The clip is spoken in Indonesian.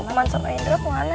ini sudah ketiga